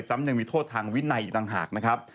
ยังมีโทษทางวินัยอีกต่างหากนะครับ